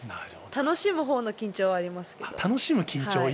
楽しむほうの緊張はあります。